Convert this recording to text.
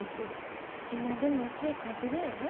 今でも詩ぃ書いてるんやろ？